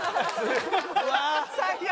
最悪。